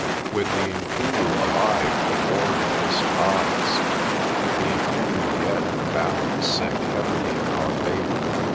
With the Inkulu alive we warred against odds; with the Inkulu dead the balance sank heavily in our favour.